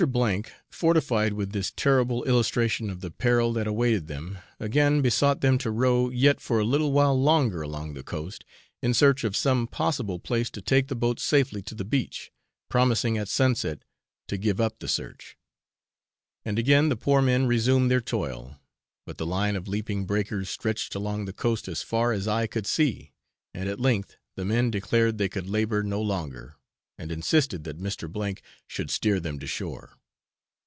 C , fortified with this terrible illustration of the peril that awaited them, again besought them to row yet for a little while further along the coast, in search of some possible place to take the boat safely to the beach, promising at sunset to give up the search; and again the poor men resumed their toil, but the line of leaping breakers stretched along the coast as far as eye could see, and at length the men declared they could labour no longer, and insisted that Mr. C should steer them to shore.